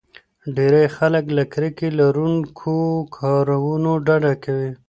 ډېری خلک له کرکې لرونکو کارونو ډډه کوي.